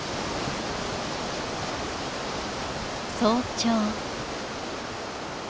早朝。